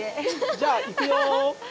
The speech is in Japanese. じゃあいくよ！